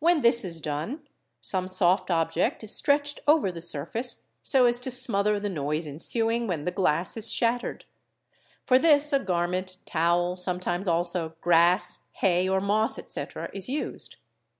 When this is done, | some soft object is stretched over the surface so as to smother the noise ENTERING BY THE WINDOW | 725 ensuing when the glass is shattered: for this a garment, towel, sometimes also grass, hay, or moss, etc., is used.